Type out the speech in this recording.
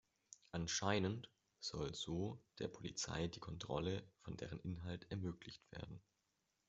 Anscheinend soll so der Polizei die Kontrolle von deren Inhalt ermöglicht werden.